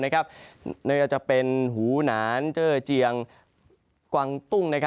นั่นก็จะเป็นหูหนานเจอร์เจียงกวางตุ้ง